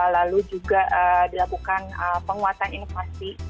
lalu juga dilakukan penguatan inovasi